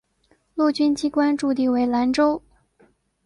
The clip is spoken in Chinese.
陆军机关驻地为兰州。